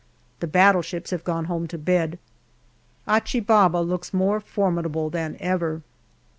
The battleships have gone home to bed. Achi Baba looks more formidable than ever.